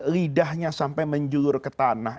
lidahnya sampai menjulur ke tanah